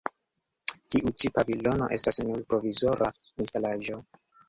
Tiu ĉi pavilono estas nur provizora instalaĵo.